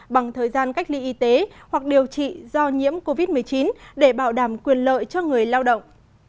bằng thời gian cách ly y tế hoặc điều trị do nhiễm covid một mươi chín để bảo đảm quyền lợi cho người lao động